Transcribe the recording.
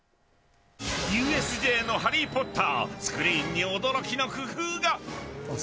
ＵＳＪの「ハリー・ポッター」スクリーンに驚きの工夫が。